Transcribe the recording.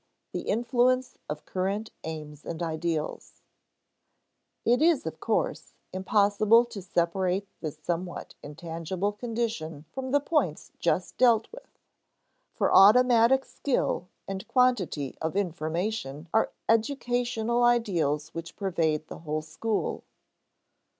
The Influence of Current Aims and Ideals It is, of course, impossible to separate this somewhat intangible condition from the points just dealt with; for automatic skill and quantity of information are educational ideals which pervade the whole school.